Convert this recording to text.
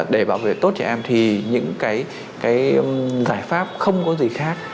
để bảo vệ tốt trẻ em thì những cái giải pháp không có gì khác